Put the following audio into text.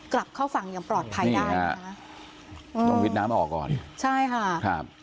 กลับเข้าฝั่งอย่างปลอดภัยได้นะคะอืมต้องวิดน้ำออกก่อนใช่ค่ะครับ